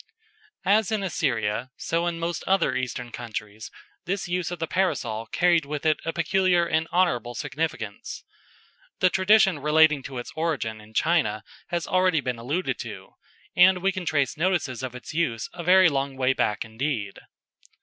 As in Assyria, so in most other Eastern countries, this use of the Parasol carried with it a peculiar and honourable significance. The tradition relating to its origin in China has been already alluded to, and we can trace notices of its use a very long way back indeed.